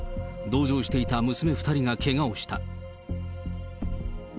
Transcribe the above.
同乗していた娘２人がけがをした。